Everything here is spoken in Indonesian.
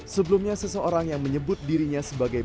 sebelumnya seseorang yang menyebut dirinya sebagai